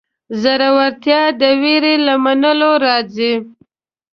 زړورتیا د وېرې له منلو راځي.